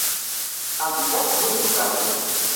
Al Dídac, vull trucar-li.